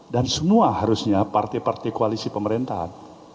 dan semua harusnya partai partai koalisi pemerintahan